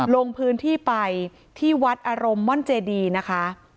ลงพื้นที่ไปที่วัดอารมณ์ม่อนเจดีนะคะ